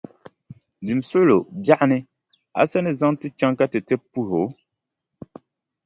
Dimi suɣulo, biɛɣuni, a sa ni zaŋ ti chaŋ ka ti ti puhi o?